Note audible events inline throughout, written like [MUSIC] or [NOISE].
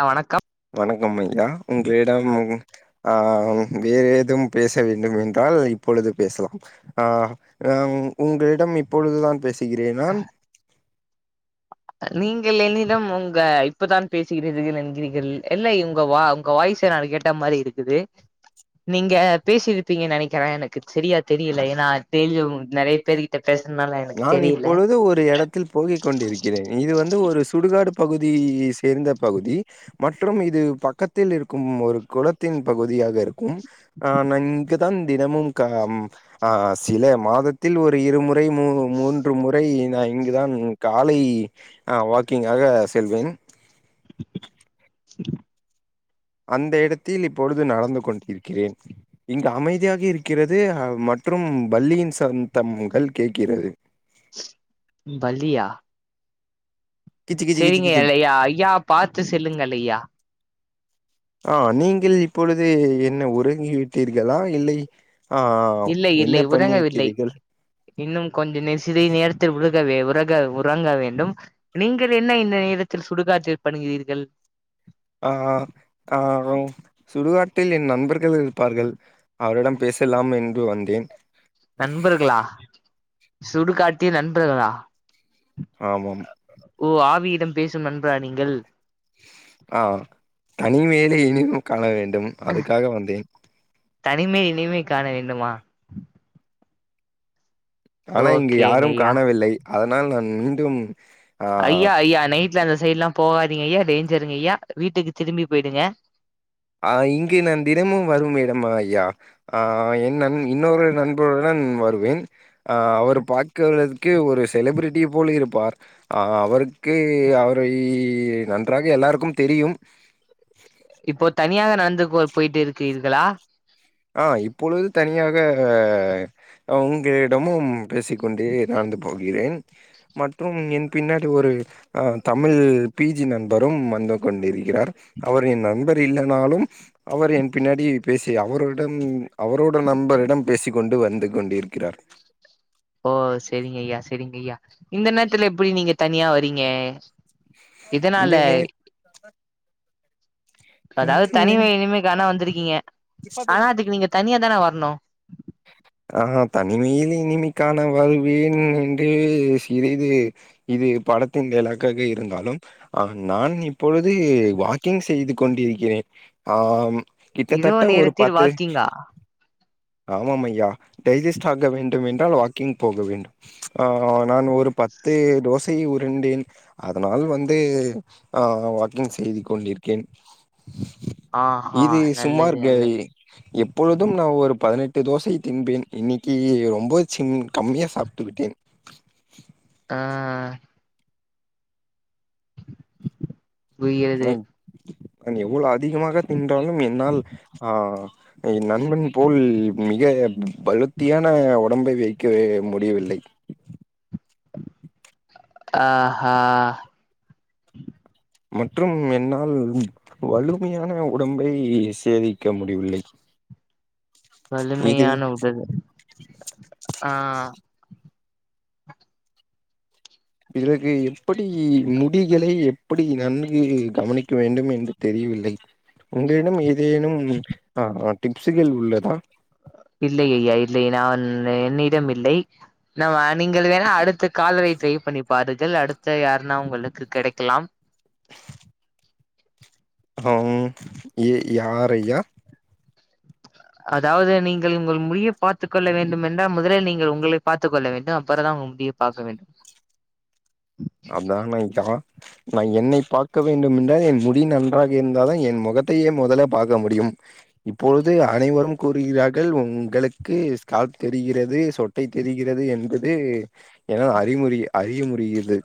ஆ வணக்கம் வணக்கம் ஐயா ஒ ங்களிடம் ஆ வேறு ஏதும் பேச வேண்டும் என்றால் இப்பொழுது பேசலாம் ஆ ஒங்களிடம் இப்பொழுதுதான் பேசுகிறேன் நான் நீங்கள் என்னிடம் உங்க இப்பதான் பேசுகிறீர்கள் என்கிறீர்கள் இல்லை ஒங்க வா ஒங்க வாய் ஸ்ச நானு கேட்ட மாரி இருக்குது நீங்க பேசியிருப்பீங்கன் நெனைக்கிறே எனக்கு செரியா தெரியல ஏனா டெய்லியு நெறைய பேர் கிட்ட நான் இப்பொழுது ஒரு எடத்தில் போகிக் கொண்டிருக்கிறேன் இது வந்து ஒரு சுடுகாடு பகு தி சேர்ந்த பகுதி மற்றும் இது பக்கத்தில் இருக்கும் ஒரு கொளத்தின் பகுதியாக இருக்கும் அ நான் இங்க தான் தினமும் க அ சில மாதத்தில் ஒரு இருமுறை மூ மூன் று முறை நா இங்குதான் காலை அ வாக்கிங்காக செல்வேன் அந்த இடத்தில் இப்பொழுது நடந்து கொண்டிருக்கிறேன் இங்க அமைதியாக இருக்கிறது ம ற்றும் பல்லியின் சந்தம்கள் கேட்கிறது பல்லியா? கிச்சு கிச்சு கிச்சு கிச்சு. செரிங்கல்லையா ஐயா பாத்து செல்லுங்கல் ஐயா ஆ நீங்கள் இப்பொழுது என்ன உறங்கி விட்டீர்களா இல்லை ஆ இல்லை என்ன இல்லை உறங்கவில்லை பண்ணியிருக்கிறீர்கள்? இன்னும் கொஞ்ச நே சிறிது நேரத்தில் உ றகவே உறக உறங்க வேண்டும் நீங்கள் என்ன இந்த நேரத்தில் சுடுகாற்றில் பண்ணுகிறீர்கள் ஆ டில் என் நண்பர்கள் இருப்பார்கள் அவரிடம் பேசலாம் என்று வந்தேன் நண்பர்களா சுடுகாட்டில் நண்பர்களா ஆமம் ஓ ஆவியிடம் பேசும் நண்பரா நீங்கள் ஆ தனிமைலே இனிம காண வேண்டும் அதுக்காக வந்தேன் தனிமை இனிமை காண வேண்டுமா ஆனா இங்க ஓகேங்க யாரும் ஐயா காணவில்லை அதனால் நான் மீண்டும் ஆ ஐயா ஐயா நைட்ல அந்த சைட்லா போவா ஐயா டேஞ்சருங்கய்யா வீட்டுக்கு திரும்பி பொயிடுங்க ஆ இங்கே நான் தினமும் வரும் இடமா ஐயா ஆ நான் இன்னொரு நண்பருடன் வருவேன் அவர் பாக்கறதுக்கே ஒரு செலிபிரிட்டிய போல் இருப்பார் அ அவருக்கு அவரை நன்றாக எல்லாருக்கும் தெரியும் இப்போ தனியாக நடந்து போ பொயிட்டு இருக்கிறீர்களா ஆ இப்பொழுது தனியாக அ ஒங்கலிடமும் பேசிக்கொண்டே நடந்து போகிறேன் மற்றும் என் பின்னாடி ஒரு அ தமிழ் பி ஜி நண்பரும் வந்து கொண்டிருக்கிறார் அவரின் நண்பர் இல்லனாலு டும் அவர் என் பின்னாடியே பேசி அவரோ டும் அவரோட நண்பரிடம் பேசிக்கொண்டு வந்து கொண்டிருக்கிறார் ஓ செரிங் யா செரிங்கய்யா இந்த நேரத்துல எப்டி நீங்க தனியா வறீங்க இந்த நே அதாவது இந்த நே தனிமை இனிமை கானா வந்துருக்கீங்க ஆனா அதுக்கு நீங்க தனியா தானே வர்னு ஆஹா தனிமைல இனிமை கான வருவேன் என்று சிறிது இது படத்தின் டைலாக்காக இருந்தாலும் ஆ நான் இப்பொழுது வாக்கிங் செய்து கொண்டிருக்கிறேன் ஆம் இரவு கிட்டத்தட்ட ஒரு நேரத்தில் பத்து. வாக்கிங்கா ஆமாம் ஐயா டைஜஸ்ட் ஆக வேண்டும் என்றால் வாக்கிங் போக வேண்டும் ஆ நான் ஒரு பத்து தோசை ஒரு திண்டேன் அதனால் வந்து வாக்கிங் செய்து கொண்டிருக்கேன் ஆஹா இது சுமார் நல்லது க நல்லது எப்பொழுதும் நான் ஒரு பதினெட் டு தோசையை தின்பேன் இன்னைக்கு ரொம்ப சின் கம்மியா சாப்ட்டு விட்டேன் ஆ புரிகிறது எவ்வளவு அதிகமாக தின்றாலும் என்னால் ஆ என் நண்பன் போல் மிக பலத்தியான உடம்பை வைக்க முடியவில்லை [INAUDIBLE] ஆஹா மற்றும் என்னால் வலுமையான உடம்பை சேதிக்க முடியவில்லை [INAUDIBLE] இதை வலிமையான உடல் ஆ பிறகு எப்படி முடிகளை எப்படி நன்கு கவனிக்க வேண்டும் என்று தெரியும் இல்லை உங்களிடம் ஏதேனும் ஆ டிப்ஸுகள் உள்ளதா இல்லை அய்யா இல்லை நான் என்னிடம் இல்லை நான் நீங்கள் வேணா அடுத்த காலரை ட்ரை பண்ணி பாருங்கள் அடுத்த யாருன்னா உங்களுக்கு கடைக்கலாம் யார் ஐயா அதாவது நீங்கள் உங்கள் முடிய பார்த்துக் கொள்ள வேண்டும் என்றால் முதலில் நீங்கள் உங்களை பார்த்துக் கொள்ள வேண்டும் அப்புற தான் முடிய பாக்க வேண்டும் அதான் அய்யா நான் என்னை பார்க்க வேண்டும் என்றால் என் முடி நன்றாக இருந்தால தான் என் முகத்தையே முதல்ல பார்க்க முடியும் இப்பொழுது அனைவரும் கூறுகிறார்கள் உங்களுக்கு ஸ்காப் தெரிகிறது சொட்டை தெரி கிறது என்பது என்னால் அறிமுறி அறிய முறிகுிறது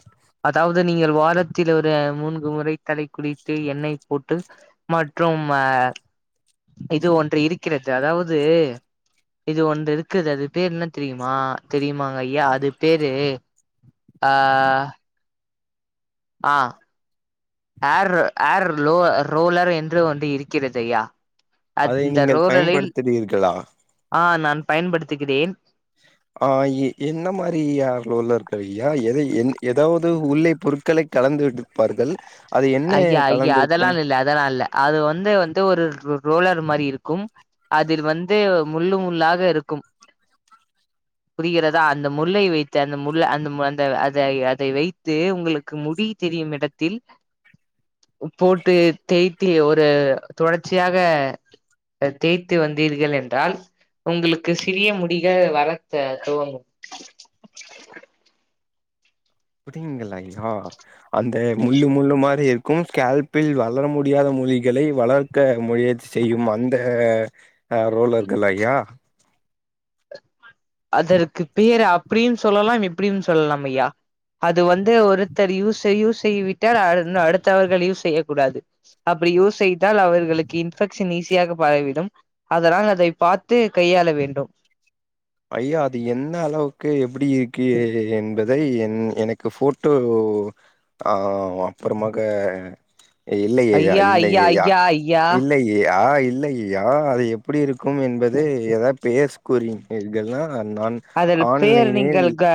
அதாவது நீங்கள் வாரத்தில் ஒரு மூன்கு முறை தலை குளித்து எண்ணெய் போட்டு மட் மற்றும் இது ஒன்று இருக்கிறது அதாவது இது ஒன்று இருக்குது அது பேரு என்ன தெரியுமா தெரியுமாங்க ஐயா அது பேரு ஆ ஆ ஏர் ஏர் ரோ ரோலர் என்று ஒன்று இருக்கிறது ஐயா அதை அந்த நீங்கள் ரோலலில் பயன்படுத்துகிறீர்களா? ஆ நான் பயன்படுத்துகிறேன் ஆ எ என்ன மாரியா ரோலர்கள் ஐயா? எதை என் ஏதாவது உள்ளே பொருட்களை கலந்து விடுப்பார்கள் ஐயா ஐயா அதெல்லா இல்ல அதெல்லா இல்ல அது வந்து வந்து ஒரு ரோலர் மாரி இருக்கு இருக்கும் அதில் வந்து முள்ளு முள்ளாக இருக்கும் [INAUDIBLE] புரிகிறதா அந்த முல்லை வைத்து அந்த முல் அந்த அந்த அத அதை வைத்து உங்களுக்கு முடி தெரியும் இடத்தில் போட்டு தேய்த்தி ஒரு தொடர்ச்சியாக தேய்த்து வந்தீர்கள் என்றால் உங்களுக்கு சிறிய முடிக வரத்த துவங்கும் [INAUDIBLE] அப்டிங்கலா ஐயா அந்த முள்ளு முள்ளு மாரி இருக்கும் ஸ்கேபில் வளர முடியாத முடிகளை வளர்க்க முயர்ச்சி செய்யும் அந்த ரோலர்கள ஐயா அதற்கு பேரு அப்படியும் சொல்லலாம் இப்படியும் சொல்லலாம் ஐயா அது வந்து ஒருத்தர் யூஸ் யூஸ் செய்ய விட்டால் அடுத்தவர்கள் யூஸ் செய்யக் கூடாது அப் ப்படி யூஸ் செய்தால் அவர்களுக்கு இன்ஃபெக்ஷன் ஈஸியாக பரவிடும் அதனால் அதை பார்த்து கையாள வேண்டும் ஐயா அது எந்த அளவுக்கு எப்படி இருக்கு என்ப தை என் எனக்கு போட்டோ அ அப்புறமாக இல்லையேயா ஐயா ஐயா இல்லையேயா ஐயா ஐயா இல்லையே யா இல்லைய்யா அது எப்டி இருக்கும் என்பது ஏதாது பேஸ் கூறினீர்கள்னா நான் அதுல் பேர் ஆன்லைனில் நீங்கள் க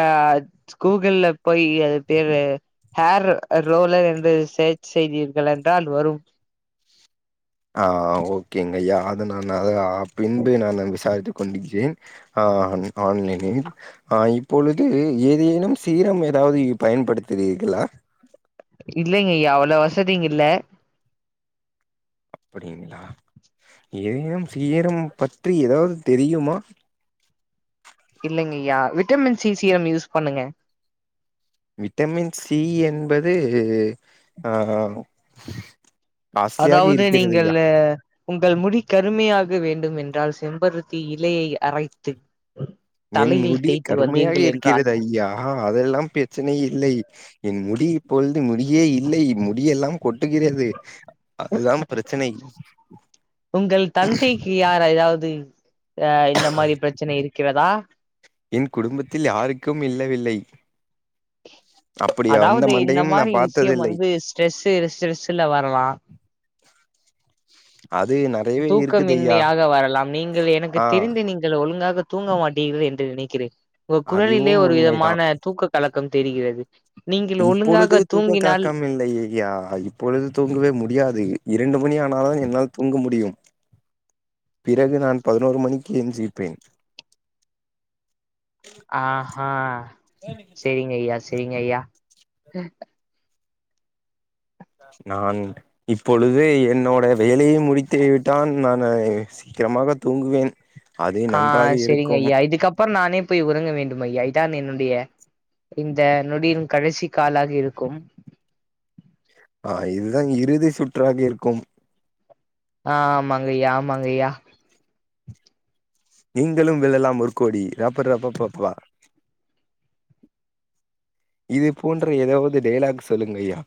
கூகுள்ல போய் அது பேரு ஹேர் ரோலர் என்று செர்ச் செய்தீர்கள் என்றால் வரும் ஆ ஓகேங்கய்யா அத நான் அத பின்பு நானு [UNINTELLIGIBLE] விசாரித்துக் கொண்டிகிறேன் ஆ ஆ ஆன்லைனில் ஆ இப்பொழுது ஏதேனும் சீரம் ஏதாவது பயன்படுத்து கிறீர்களா இல்லைங்கய்யா அவ்ளா வசதி இங்கில்ல அப்டிங்ளா ஏதேனும் சீரம் பற்றி எதாவது தெரியுமா இல்லைங்கய்யா விட்டமின் சி சீரம் யூஸ் பண்ணுங்க விட்டமின் சி என்பது ஆ காஸ்ட்லியாக அதாவது இருக்கிறது நீங்கள் ஐயா உங்கள் முடி கருமையாக வேண் டும் என்றால் செம்பருத்தி இலையை அரைத்து என் தலையில் முடி தேய்த்து கருமையாக வந்தீர்கள் என்றால் இருக்கிறது ஐயா அதெல்லா பிரச்சனை இல்லை என் முடி இப்பொழுது முடியே இல்லை முடியெல்லாம் கொட்டுகிறது அதுதா பிரச்சனை உங்கள் தந்தைக்கு யார் அதாவது அ இந்த மாரி பிரச்சனை இருக்கிறதா என் குடும்பத்தில் யாருக்கும் இல்லவில்லை அப்படி அந்த அதாவது இந்த மண்டையும் மாரி நான் விஷயம் பார்த்ததில்லை வந்து ஸ்ட்ரெஸ் வந்து ஸ்ட்ரெஸ்ல வரலா அது நெறையவே இருக்குது ஐயா தூக்கமின்மையாக வரலாம் நீங்கள் எனக்கு ஆ தெரிந்து நீங்கள் ஒழுங்கா தூங்க மாட்டீர்கள் என்று நினைக்கிறேன் உங்க குரலிலே அதுவும் ஒரு உண்மைதான் விதமான தூக்க கலக்கம் தெரிகிறது நீங்கள் இப்பொழுது ஒழுங்காக தூக்க தூங்கினால் கலக்கம் இல்லையே ஐயா இப்பொழுது தூங்கவே முடியாது இரண்டு மணி ஆனா தான் என்னால் தூங்க முடியும் பிறகு நான் பதினோரு மணிக்கு எஞ்சிப்பேன் ஆ ஹா செரிங்கய்யா செரிங்கய்யா நான் இப்பொழுது என்னோட வேலைய முடித்துவிட்டான் நானு சீக்கிரமாக தூங்குவேன் அது ஆ நன்றாக இருக்கும் செரிங்கய்யா இதுக்கப்றோ நானே போய் உறங்க வேண்டும் ஐயா இதான் என்னுடைய இந்த நொடியின் கடைசி காலாக இருக்கும் ஆ இதுதான் இறுதி சுற்றாக இருக்கும் ஆ ஆமாங்கைய்யா ஆமாங்கைய்யா நீங்களும் வெல்லலாம் ஒரு கோடி ரப்ப ரப்ப பப்பா இதே போன்ற ஏதாவது டைலாக் சொல்லுங்கய்யா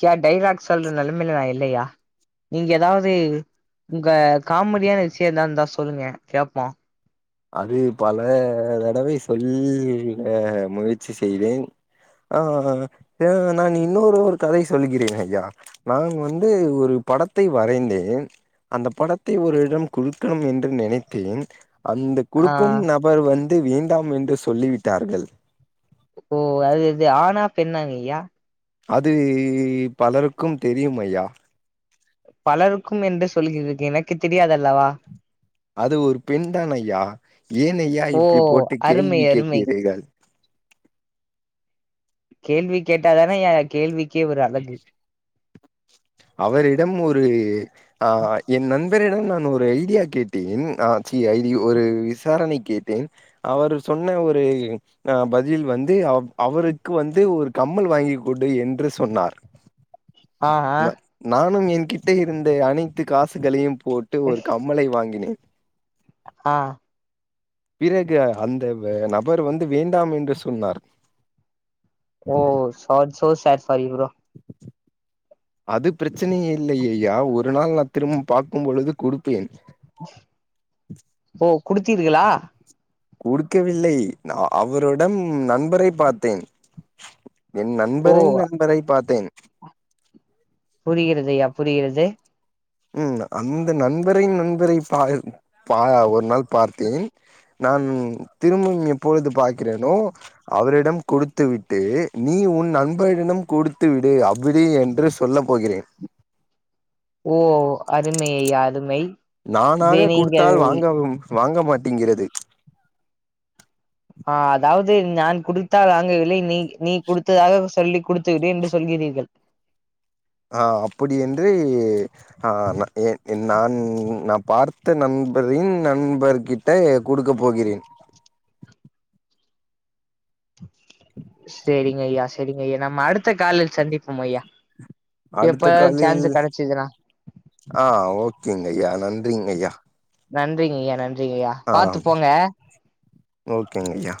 கியா டைலாக் சொல்ற நெலைமைல நா இல்லையா நீங்க ஏதாவது உங்க காமெடியான விஷயோ ஏதா இருந்தா சொல்லுங்கய்யா கேப்போ அது பல தடவை சொல்ல முயற்சி செய்தேன் ஆ ஆ [UNINTELLIGIBLE] நான் இன்னொரு ஒரு கதை சொல்லுகிறேன் ஐயா நான் வந்து ஒரு படத்தை வரைந்தேன் அந்த படத்தை ஒருரிடம் குடுக்கணும் என்று நினைத்தேன் அந்த ஆ குடுக்கும் நபர் வந்து வேண்டாம் என்று சொல்லி விட்டார்கள் ஓ அது இது ஆணா பெண்ணாங்கய்யா அது பலருக்கும் தெரியும் ஐயா பலருக்கும் என்று சொல்லுகிறீர்கள் எனக்கு தெரியாதல்லவா அது ஒரு பெண் தான் ஐயா ஏன் ஐயா ஓ இப்படி போட்டு அருமை கேள்வி அருமை கேட்கிறீர்கள் கேள்வி கேட்டாதானே ஐயா கேள்விக்கே ஒரு அழகு அவரிடம் ஒரு ஆ என் நண் பரிடம் நான் ஒரு ஐடியா கேட்டேன் ஆ சி ஐ டி ஒரு விசாரணை கேட்டேன் அவர் சொ சொன்ன ஒரு பதில் வந்து அவருக்கு வந்து ஒரு கம்மல் வாங்கி கொடு என்று சொன்னார் அ அ ந நானும் என் கிட்ட இருந்த அனைத்துக் காசுகளையும் போட்டு ஒரு கம்மலை வாங்கினேன் அ பிறகு அந்த நபர் வந்து வேண்டாம் என்று சொன்னார் ஓ சோ [UNINTELLIGIBLE] ஃபார் யு றோ அது பிரச்சனையே இல்லயயா ஒரு நாள் நா திரும்ப பாக்கும் பொழுது குடு ஓ குடுத்தீர்களா குடுக்கவில்லை நா அவருடன் நண்பரை பார்த்தேன் என் ஓ நண்பரின் நண்பரை பாத்தேன் புரிகிறது ஐயா புரிகிறது ம் அந்த நண்பரின் நண்பரை பா ஒரு நாள் பார்த்தேன் நான் திரும்பவும் எப்பொழுது பார்க்கிறேனோ அவரிடம் குடுத்து விட்டு நீ உன் நண்பரிடம் கொடுத்து விடு அப்படி என்று சொல்ல போகிறேன் ஓ அருமையயா அருமை இதை நானாக நீங்கள் குடுத்தால் வாங்கவும் வாங்க மாட்டிங்கிறது ஆ அதாவது நான் குடுத்தால் வாங்கவில்லை நீ நீ குடுத்ததாக சொல்லிக் குடுத்து விடு என்று சொல் றீர்கள் ஆ அப்படி என்று ஆ நான் நா பார்த்த நண் பரின் நண்பர்கிட்ட குடுக்கப் போகிறேன் சரிங்க ஐயா சரிங்க ஐயா நம்ம அடுத்த காலில் சந்திப்போம் ஐயா அடுத்த எப்பயாவது காலில் சான்ஸ் கெடச்சதுன்னா ஆ ஓகேங்க ஐயா நன்றிங்க ஐயா நன்றிங்க ஐயா நன்றிங்க ஐயா பார்த்து போங்க ஓ கே ங்க ஐயா